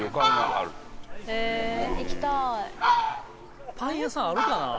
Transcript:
へえ行きたい。